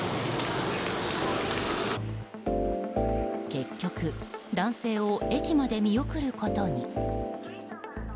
結局男性を駅まで見送ることに。